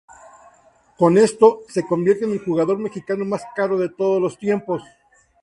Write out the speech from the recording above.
Con esto, se convierte en el jugador mexicano más caro de todos los tiempos.